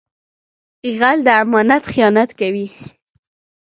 غل د امانت خیانت کوي